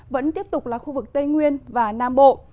vẫn tiếp tục là khu vực tây nguyên và nam bộ